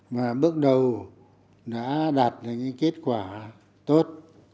mà bước đầu đã đạt được những kết quả tốt